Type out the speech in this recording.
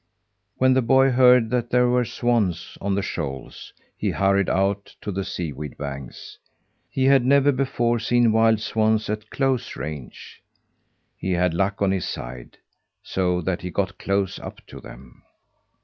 When the boy heard that there were swans on the shoals, he hurried out to the sea weed banks. He had never before seen wild swans at close range. He had luck on his side, so that he got close up to them.